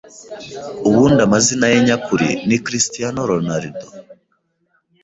Ubundi amazina ye nyakuri ni Cristiano Ronaldo